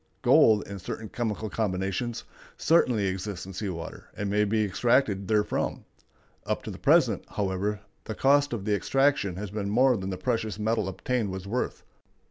Gold, in certain chemical combinations, certainly exists in sea water, and may be extracted therefrom. Up to the present, however, the cost of the extraction has been more than the precious metal obtained was worth.